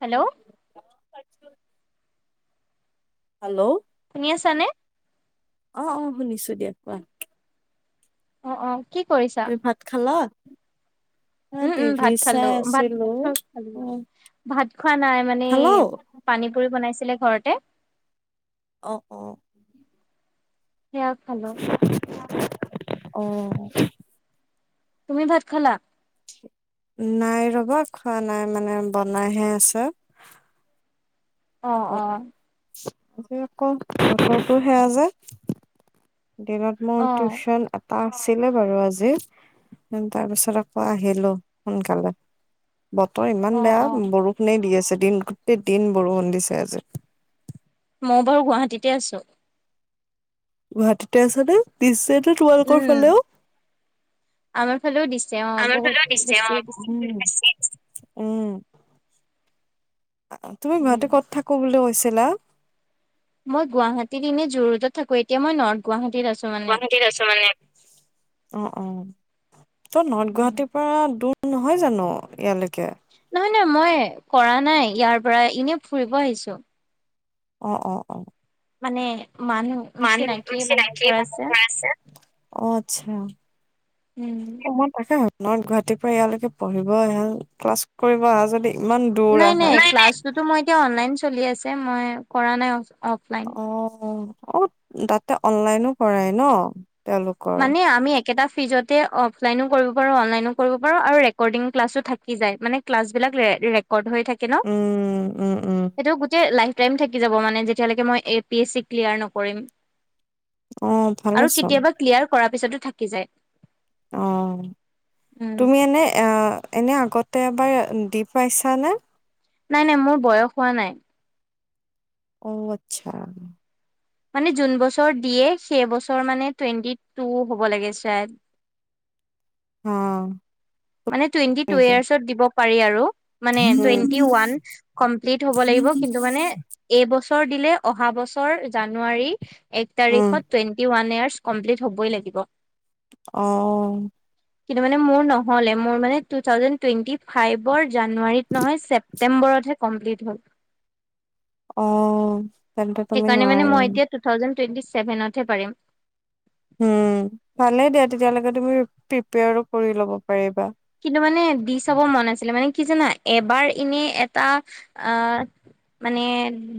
Hello. Hello. শুনি আছানে? অঁ অ' শুনিছো দিয়া কোৱা। অঁ অ' কি কৰিছা? তুমি ভাত খালা। অ উম, উম টিভি ভাত খালো চাই ভাত আছিলো খালো অ ভাত খোৱা নাই মানে খালাও পানী পুৰি বনাইছ ছিলে ঘৰতে। অ, সেয়া খালো। অ' তুমি ভাত খালা। নাই ৰ'বা খোৱা নাই মানে বনাইহে আছে। অ, অ। আজি আকৌ বতৰটো সেয়া যে। দিনত মোৰ অ', টিউচন টা আছিলে বাৰু আজি, তাৰপিছত আকৌ আহিলো সোনকালে। বতৰ ইমান অ', বেয়া, অ', বৰষুণে দি আছে। দিন গোটেই দিন বৰষুণ দিছে আজি। মই বাৰু গুৱাহাটীতে আছোঁ। গুৱাহাটীতে আছা নে পিছে? তোমালোকৰ উম, ফালেও, আমাৰ ফালেও দিছে অ', আমাৰ বহুত ফালেও দিছে অ' বেছিয়ে দিছে। উম' তুমি গুৱাহাটী ক'ত উম, থাকো বুলি কৈছিলা। কৈছিলা মই গুৱাহাটীত ইনে জোৰোডত থাকো, এতিয়া মই নৰ্থ গুৱাহাটীত আছো। মানে। গুৱাহাটীত আছোঁ মানে। অঁ অঁ ত' নৰ্থ গুৱাহাটীৰ পৰা দূৰ নহয় জানো ইয়ালৈকে। নহয় নহয় মই কৰা নাই ইয়াৰ পৰা ইনে ফুৰিব আহিছোঁ। অঁ অ' অ' মানে মানুহ চিনাকি মানুহ এঘৰ আছে। অঁ আটচ্ছা। উম। সেই মন পচ নৰ্থ গুৱাহাটীৰ পৰা ইয়ালৈকে পঢ়িব আহা ক্লাছ কৰিব আহা যদি ইমান দূৰ নাই আহা। নাই অ', ক্লাছতোটো মই এতিয়া অনলাইন চলি আছে মই কৰা নাই অফলাইন। অঁ অঁ তাতে অনলাইনো কৰাই ন তেওঁলোকৰ মানে আমি একেটা ফিজতে অফলাইনো কৰিব পাৰোঁ অনলাইনো কৰিব পাৰোঁ আৰু ৰেকৰ্ডিং ক্লাছো থাকি যায় মানে ক্লাছবিলাক ৰে ৰেকৰ্ড হৈ থাকে ন উম, উম, উম, এইটো গোটেই লাইফ টাইম থাকি যাব মানে যেতিয়া লৈকে মই A P H C clear নকৰিম অঁ আৰু ভালেছোন কেতিয়াবা ক্লিয়াৰ কৰাৰ পিছতো থাকি যায় অঁ উম তুমি এনে অঁ এনে আগত এবাৰ দি পাইছানে নাই নাই মোৰ বয়স হোৱা নাই অঁ আচ্ছা মানে জোন বছৰ দিয়ে সেই বছৰ মানে টুৱেণ্টি টু হব লাগে হম মানে টুৱেটি টু ইয়েৰচত দিব পাৰি আৰু মানে টুৱেন্টি ওৱান কম্পিল্ট হব লাগিব কিন্তু মানে এই বছৰ অহাবছৰ দিলে অহা বছৰ জানুৱাৰী এক উম তাৰিখত টুৱেণ্টি ওৱান এয়াৰ কম্পিল্ট হবই লাগিব অহ। কিন্তু মানে মোৰ ন হ'লে মোৰ মানে টু থাউজেন টুৱেণ্টি ফাইভৰ জানুৱাৰীত নহয় ছেপ্তেম্বৰতহে কমপ্লিট হ'ল। অ'। তেন্তে তুমি সেইকাৰণে মানে নোৱাৰি মই এতিয়া টু থাউজেণ্ড টুৱেন্টি চেভেনতহে পাৰিম। উম, ভালে দিয়া তেতিয়ালৈকে তুমি প্ৰিপেয়াৰো কৰি ল'ব পাৰিবা। কিন্তু মানে দি চাব মন আছিলে মানে কি জানা এবাৰ, এনে এটা আ, মানে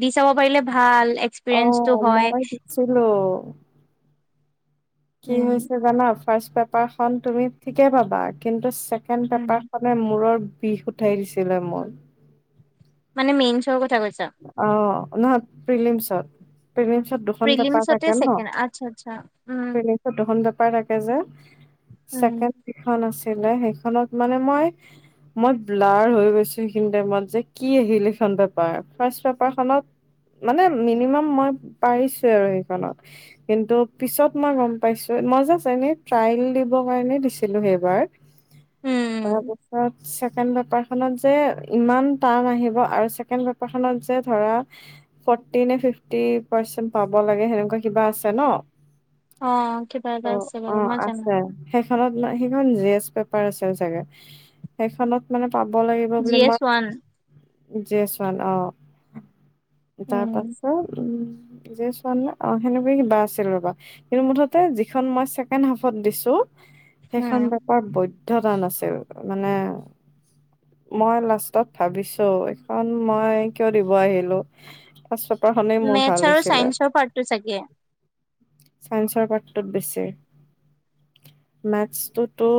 দি চাব পাৰিলে ভাল। এক্সপিৰিয়েঞ্চটো অ', হয় মই দিছিলোঁ। কি উম হৈছে জানা? ফাৰ্চ পেপাৰখন তুমি ঠিকে পাবা কিন্তু ছেকেণ্ড উম পেপাৰ খনে মূৰৰ বিষ উঠাই দিছিলে মোৰ। মানে মেইনচৰ ক অ' নহয়, প্ৰিলিমছত। প্ৰিলিমচত দুখন পেপাৰ প্ৰিলিমছতে থাকে ন? ছেকেণ্ড আচ্ছা আচ্ছা উম। প্ৰিলিমচত দুখন পে পাৰ থাকে যে উম ছেকেণ্ড কিখন আছি সেইখনত মানে মই, মই ব্লাৰ হৈ গৈছোঁ সেইখিনি টাইমত যে, কি আহিল এইখন পেপাৰ। ফাৰ্ষ্ট পেপাৰখনত মানে মিনিমাম মই পাৰিছোঁ আৰু সেইখনত কিন্তু পিছত মই গম পাইছোঁ মই জাষ্ট এনেই ট্ৰাইেল দিবৰ কাৰণে দিছিলোঁ সেইবাৰ উম [unintelligible] ছেকেণ্ড পেপাৰ খনত যে, ইমান টান আহিব আৰু ছেকেণ্ড পে [unintelligible] যে, ধৰা ফৰ্টি নে ফিফটি পাৰ্চেণ্ট পাব লাগে সেনেকুৱা কিবা আছে ন। অ', কিবা এটা অ আছে অ বাৰু আছে [unintelligible] [unintelligible] সেইখন জি এছ পেপাৰ আছিল চাগে, সেইখনত মানে পাব লাগিব জি বুলি ম S one G S one অ'। উম। তাত আছে উম। জি এচ ওৱান নে, অ' সেনেকুৱা কিবা আছিল ৰ'বা কিন্তু মুঠতে যিখন মই ছেকেণ্ড হাফত দিছোঁ উম সেইখন পেপাৰ বৈদ [unintelligible] টান আছিল, মানে মই লাষ্টত ভাবিছোঁ এখন মই কিয় দিব আহিলো পাচত মেথছ আৰু চাইন্সৰ পাৰ্তোট চাগে। চাইন্সৰ পাৰ্তটোত বেছি, মেথছটোত- তো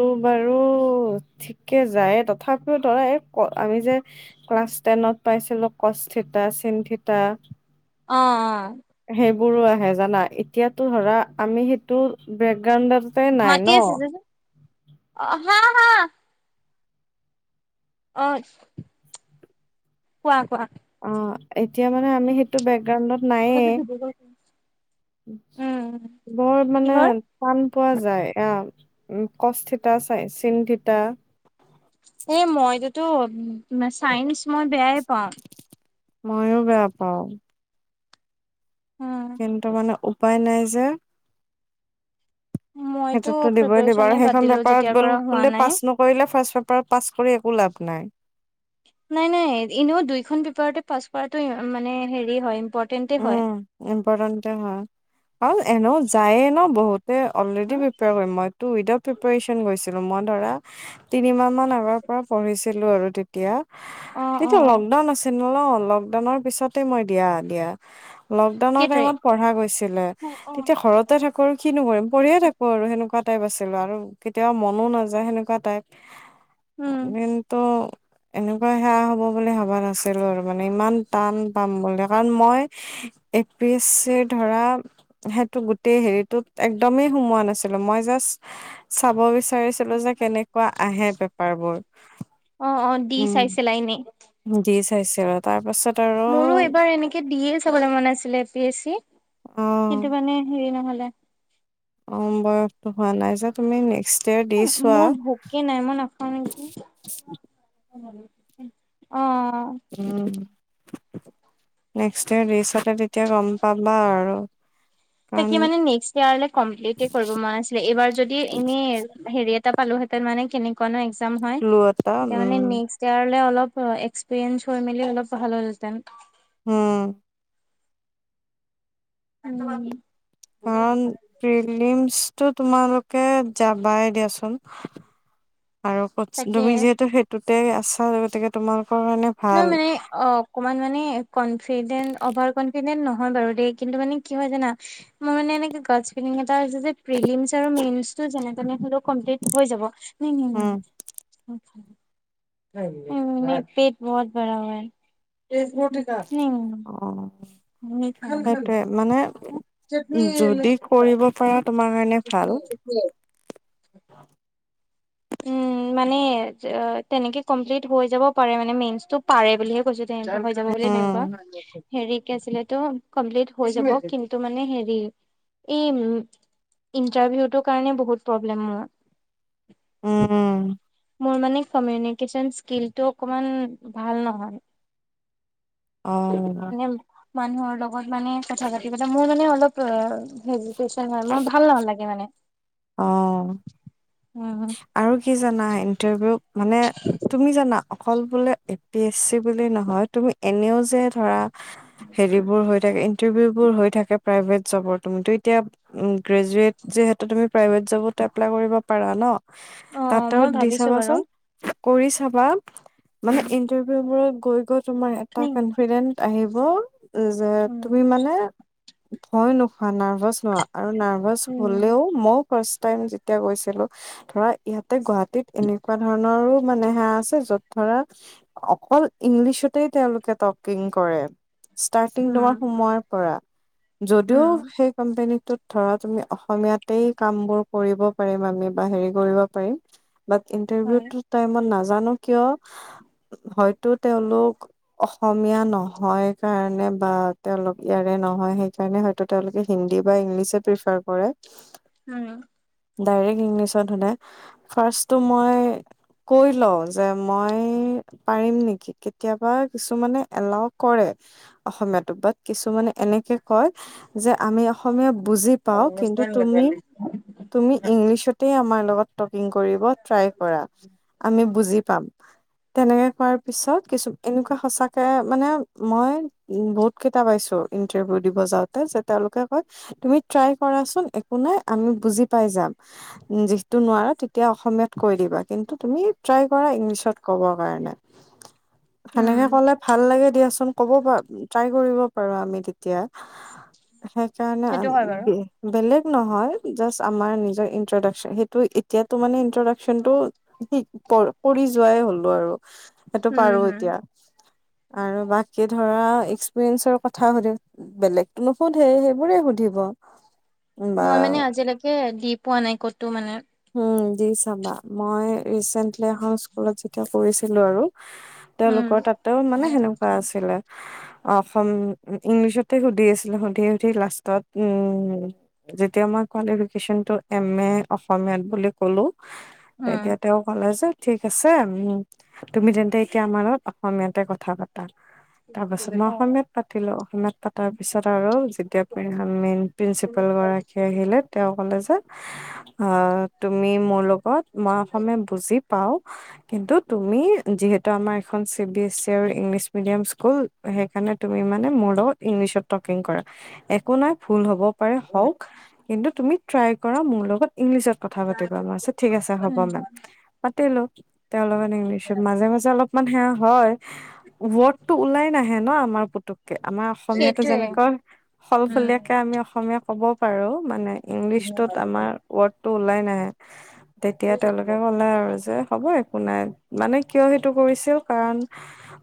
তো বাৰু আৰু ঠিকে যায় তথাপিও ধৰা এই ক আমি যে ক্লাছ টেনত পাইছিলো কস্থিতা চিন্থিতা। অ', অ'। বোৰো আহে জানা এতিয়াতো ধৰা আমি সেইটো বেকগ্ৰান্ডত মাতি আছে যা জোন। অ' হা হা। অ' কোৱা কোৱা। অ' এতিয়া মানে আমি সেইটো বেগ গ্ৰাউণ্ডত নাইে উম বৰ মানে কিহৰ? টান পোৱা যায় আহ উম কচথিতা চাই চিন থিতা, এ মইততো চাইন্স মই বেয়াই পাওঁ। মইো বেয়া পাওঁ। উম। কিন্ত মানে উপাই নাই যে, মইতো সেইটোততো দিবই দিব, আৰু প্ৰিপেৰেচনে বাদ সেইখন দিলো পেপাৰত যেতিয়াৰ ব'ল পৰা হোৱা বোলে নাই। পাছ নকৰিলে ফাৰ্ষ পাছ কৰি একো লাভ নাই। নাই নাই এনেও দুইখন পেপাৰতে পাছ কৰাতটো মানে হেৰি হয়। ইম্পৰ্টেণ্টে হয়। উম ইম্পৰ্টেণ্ট হয়। আৰু এনেও যায়ে ন বহুত, অলৰেডি প্ৰিপেয়াৰ কৰিম, মই টো উইদাউট প্ৰিপ্ৰয়াৰেচন গৈছিলোঁ, মই ধৰা তিনিমাহমান আগৰ পৰা পঢ়িছিলোঁ আৰু তেতিয়া, অ অ তেতিয়া লকডাউন আছিল। নলওঁ, লকডাউনৰ পিছতে মই দিয়া, দিয়া লকডাউনৰ কেই তাৰিখ টাইমত পঢ়া গৈছিলে, তেতিয়া ঘৰতে থা কৰো, কিনো কৰিম। কৰিয়ে থাকো আৰু সেনেকুৱাত টাইপ আছিলো আৰু, কেতিয়াবা মনো নাযায় সেনেকুৱা টাইপ। উম এদিনতো এনেকুৱা সেৱয়া হ'ব বুলি ভবা নাছিলো আৰু মানে ইমান টান পাম বুলি, কাৰণ মই এ পি এছ চি ধৰা সেইটো গোটেই হেৰিতটোত এক্দমেই সুমোৱা নাছিলো, মই জাষ্ট, চাব বিচাৰ ছিলো যে কেনেকুৱা আহে পেপাৰ বোৰ। অ অ দি উম চাইছিলা এনেই উঠাইছিল আৰু তাৰ পাছত আৰু মোৰো এইবাৰ এনেকে দিয়ে বলে মন আছিলে এ পি এছ চি। অ কিন্তু মানে হেৰি নহ'লে। [unintelligible] অম বয়সটো হোৱা নাই যে তুমি নেক্স উ মোৰ ভোকে নাই, মই নাখাওঁ নেকি। অ'অ' উম নেক্সইয়াৰ দি ছালে তেতিয়া গম পাবা আৰু, [unintelligible] ত কাৰণ পালোহেঁতে মানে কেনেকুৱা ন কাম হয় ক্লু এটা তেতিয়া উম নেক্স ইয়িৰলে আলপ এক্সপিৰিয়েঞ্চ হৈ মেলি অলপ ভাল হলহঁতেন হম নাই কাৰ প্ৰিলিম টো তোমালোকে যাবাই দিয়াচোন আৰু তাকে তুমি যিহেতু সেইটোত তাতে আছা গতিকে তোমাৰ লোকৰ মনে নহয় ভাল মানে অ অকমান কনফিডেণ্ট অভাৰ কনফিডেন্ট নহয় বাৰু দেই কিন্তু মানে কি হয় জান মোৰ মান এনেকে কৰ্চ ফিলিং এটা আছে যে প্ৰেলিমছ আৰু মেইন্স টো যেনে তেনে হলেও কমপ্লিট হৈ যাব। উম [unintelligible] [unintelligible] উ পেট বহত বাৰা হে। [unintelligible] অ নাই সেইটোয়ে মানে যদি কৰিব পাৰা তোমাৰ কাৰণে ভাল। [unintelligible] উম মানে তেনেকে কমপ্লিট হৈ যাব পাৰে মানে মেইনটো পাৰে বুলিহে কৈছোঁ হৈ যাব বুলি নাই কোৱা। হেৰী কি আছিলে এটো কমপিল্লিত হৈ যাব কিন্তু মানে হেৰি ইন্টাৰভিউ তো কাৰনে বহুত প্ৰবলেম মোৰ। উম। মোৰ মানে কমিউনিকেশন স্কিলটো অকমান ভাল নহয়। অ। মানে মানুহৰ লগত মানে কথা পাতি পতি মোৰ মানে অলপ অ হেজিতেচন হয় মই ভাল নহালাগে মানে। অ উম। আৰু কি জানা ইণ্টাৰভিউত মানে তুমি জানা। অকল বোলে এ পি এছ চি বুলি নহয় তুমি এনেও যে ধৰা হেৰিবোৰ হৈ থাকে ইণ্টাৰভিউবোৰ হৈ থাকে প্ৰাইভেট জবৰ তুমিতো এতিয়া গ্ৰেজুৱেট যিহেতু তুমি প্ৰাইভেট জবত এপ্লাই কৰিব পাৰা ন। অ', অ', তাতো মই দি ভাবিছো বাৰু চাবাচোন। কৰি চাবা। মানে উম, ইন্টাৰভিউ বোৰত গৈ গল তোমাৰ এটা উম, কনফিডেন্ আহিব। উম যে উম, তুমি মানে ভয় নোখোৱা। নাৰ্ভাছ নোহোৱা। আৰু নাৰ্ভাছ উম, হ'লেও মোক ফাৰ্ষ্ট টাইম যেতিয়া গৈছিলোঁ ধৰা ইয়াত তে গুৱাহাটীত এনেকুৱা ধৰণৰো- মানে হা আছে য'ত ধৰা, অকল ইংলিছতেই তেওঁলোকে টকিং কৰে। ষ্টাৰ্টিং তোমাৰ সোমৱাৰ পৰা যদিও উম, সেই কোম্পানী তোত ধৰা তুমি, অসমীয়াতেই কামবোৰ কৰিব পাৰিম আমি, বা হেৰি কৰিব পাৰিম বাট ইন্টাৰভিউত হয়, কি তই মই নাজ জানো কিয়, হয়তো তেওঁলোক অসমীয়া নহয় কাৰণে বা তেওঁলোক ইয়াৰে নহয়, সেইকাৰণে হয়তো তেওঁলোকে হিন্দী বা ইংলিছে প্ৰিফাৰ কৰে। উম। ডাইৰেক্ট ইংলিছ ত শুদে। ফাৰ্ষ্টটো মই কৈ লওঁ যে মই পাৰিম নেকি, কেতিয়াবা কিছুমানে এলাও কৰে অসমীয়াটো, বাট কিছুমানে এনেকে কয় যে আমি অসমীয়া বুজি পাওঁ। কিন্তু তুমি তুমি ইংলিছতে আমাৰ লগত টকিং কৰিব ট্ৰাই কৰা। আমি বুজি পাম। তেনেকে কৱাৰ পিছত, কিছু এনেকুৱা সঁচাকে মানে, মই বহুতকেটা পাইছোঁ ইণ্টাৰভিউ দিব যাওঁতে যে, তেওঁলোকে কয়, তুমি ট্ৰাই কৰাচোন, একো নাই আমি বুজি পাই যাম। ম যিটো নোৱাৰে তিতিয়া অসমীয়াত কৈ দিবা। কিন্তু তুমি ট্ৰাই কৰা‌ ইংলিছত ক'ব কাৰণে। উম, সেনেকে ক'লে ভাল লাগে দিয়া চোন ক'ব পা, ম ট্ৰাই কৰিব পাৰা আমি তেতিয়া। সেইকাৰণে, অ- সেইটো হয় ম- বাৰু বে-বেলেগ নহয়। জাষ্ট আমাৰ নিজৰ ইন্ট্ৰডাকচন, সেইটো এতিয়াতো মানে ইন্ট্ৰডাকচনটো, হি প-পৰি যোৱাই হলো আৰু। সেইটো উম, পাৰো হম, এতিয়া। আৰু বাকী ধৰা, এক্সপিৰিয়েঞ্চৰ কথা সোধে। বেলেগতো নুসুধে, সেইবোৰে সোধিব। মই মানে আজিলৈ- কে দি পোৱা নাই ক'ত উম দি চাবা। মই ৰিচেন্টলি এখন স্কুলত যেতিয়া কৰিছি ছিলোঁ আৰু উম, তেওঁলোকৰ তাতে মানে সেনেকুৱা আছিলে। অসম ইংলিছতে সুধি আছিলে, সুধি-সুধি লাষ্টত উম, যেতিয়া মই কুৱালিফিকেশ্বনটো এম-এ অস- অসমীয়াত বুলি ক'লো তেতিয়া উম। তেওঁ ক'লে যে ঠিক আছে, উ তুমি তেন্তে এতিয়া আমাৰ লগত অসমীয়াতে কথা পতা। তাৰ পাছত মই অসমীয়াত পাতিলো, অসমীয়াত পাতাৰ পিছত আৰু যেতিয়া মেইন প্ৰিন্সিপাল গৰাকী আহিলে তে কলেজত উ [unintelligible] অ', তুমি ম লগত মই অসমীয়া বুজি পাওঁ কিন্তু তুমি যিহেতু আমাৰ এখন C B S E English medium school, সেই কাৰণে তুমি মানে মোৰ ইংলিছত টকিং কৰা একো নাই ভুল হ'ব পাৰে হওক, কিন্তু তুমি ট্ৰাই কৰা মোৰ লগত ইংলিছত কথা পাতিবা ঠিক আছে হ'ব উম, মম পাতিলো িক [unintelligible] [inaudible] অলমান ইংলিছত মাজে-মাজে অলপ মানে সেয়া হয় [unintelligible] টো ওলাই নাহে ন, আমাৰ পুতুক আমাৰ অসমীয়াাতো সেইটোৱে যেনেকৈ উম, সলসলীয়াকে আমি অসমীয়া হ'ব পাৰো মানে ইংলিছটোত আমাৰ ৱডটো ওললাই নাহে তেতিয়া তেওঁলোকে ক'লে আৰু যে হ'ব একো নাই, মানে কিয় সেইটো কৰিছিল কাৰণ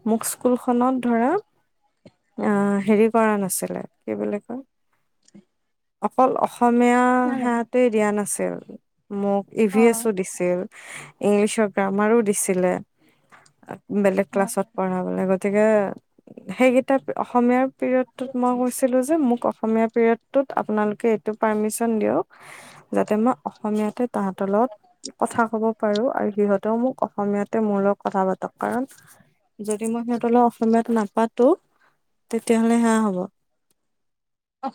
মোক স্কুলখনত ধৰা অ' হেৰি কৰা নাছিলে কি বুলি কয় অকল অসমীয়া নালাগে সেহেটি দিয়া না আছে [unintelligible] মোক ই ভি এছ অ', ও দিছিল। ইংলিছৰ গ্ৰামাৰো দিছিলে বেলেগ ক্লাছত পঢ়াবলৈ গৈ [unintelligible] গতিকে সেইকেইটা অসমীয়াৰ পিৰিয়ডটোত মই কৈছিলো যে মোক অসমীয়া পিৰিয়ডটোত আপোনালোকে এইটো পাৰ্মিচন দিয়ক যাতে মই অসমীয়াতে তাহাঁতৰ লগত কথা ক'ব পাৰো আৰু সিহঁত ত মোক অসমীয়াতে মোৰ লগ কথা পাতক, কাৰণ যদি মই সিহঁতৰ লগত অসমীয়াত নাপাতো তেতিয়াহ'লে সেয়া হ'ব অ'।